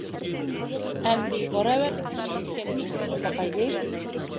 ئەمدى، باراۋەرلىكنىڭ نېمە ئىكەنلىكىنى چۈشىنىپ باقايلى.